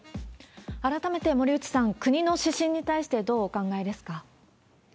改めて森内さん、国の指針に対してどうお考えですか？